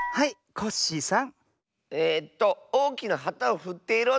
コッシーさん